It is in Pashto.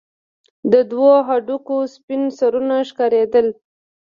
د دوو هډوکو سپين سرونه ښكارېدل.